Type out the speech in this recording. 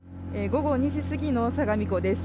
午後２時過ぎの相模湖です。